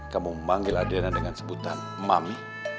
kamu manggil adriana dengan sebutan mami